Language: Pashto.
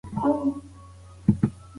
ویښتان او جامې ځینې وخت عادي نه ښکاري.